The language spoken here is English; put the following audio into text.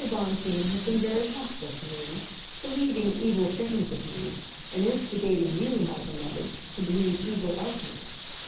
Bonteen has been very hostile to me, believing evil things of me, and instigating you, my beloved, to believe evil of me.